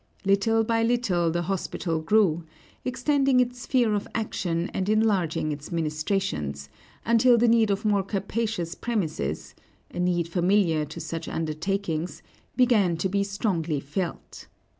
Little by little the hospital grew, extending its sphere of action and enlarging its ministrations, until the need of more capacious premises a need familiar to such undertakings began to be strongly felt.